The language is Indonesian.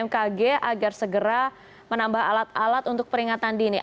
bmkg agar segera menambah alat alat untuk peringatan dini